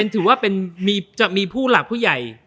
ถือว่าจะมีผู้หลักผู้ใหญ่